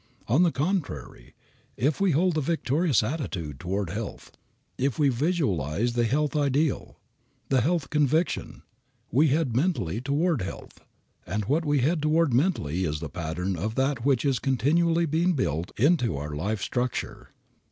On the contrary, if we hold the victorious attitude toward health, if we visualize the health ideal, the health conviction, we head mentally toward health, and what we head toward mentally is the pattern of that which is continually being built into our life structure.